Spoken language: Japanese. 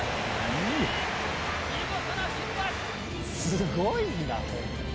すごいな！